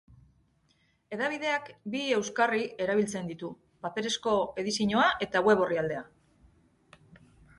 Hedabideak bi euskarri erabiltzen ditu, paperezko edizioa eta web orrialdea.